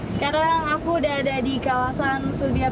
sekarang aku udah ada di kawasan subir